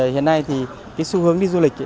hiện nay thì cái xu hướng đi du lịch